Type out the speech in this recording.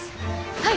はい！